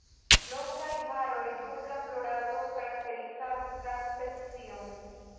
Longaj haroj dum la florado karakterizas la specion.